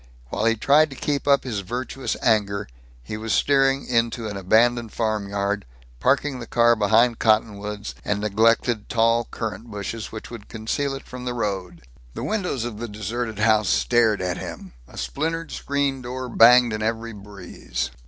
While he tried to keep up his virtuous anger, he was steering into an abandoned farmyard, parking the car behind cottonwoods and neglected tall currant bushes which would conceal it from the road. The windows of the deserted house stared at him; a splintered screen door banged in every breeze.